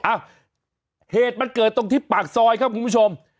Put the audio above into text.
อ่ะเหตุมันเกิดตรงที่ปากซอยครับคุณผู้ชม